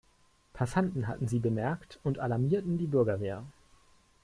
Passanten hatten sie bemerkt und alarmierten die Bürgerwehr.